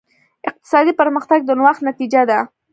اقتصادي پرمختګ د نوښت نتیجه ده.